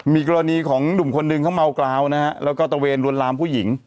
มีกรณีของหนุ่มคนหนึ่งเขาเมากราวนะฮะแล้วก็ตะเวนลวนลามผู้หญิง